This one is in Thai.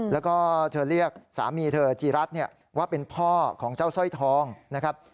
แล้วก็เธอเรียกสามีเธอจีรัฐว่าเป็นพ่อของเจ้าสร้อยทองนะครับ